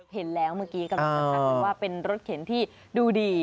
เห็นแล้วเมื่อกี้กำลังจะทักกันว่าเป็นรถเข็นที่ดูดี